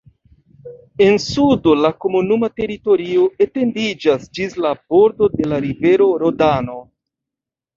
En sudo la komunuma teritorio etendiĝas ĝis la bordo de la rivero Rodano.